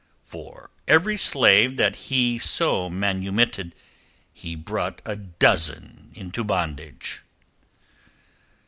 "For every slave that he so manumitted, he brought a dozen into bondage."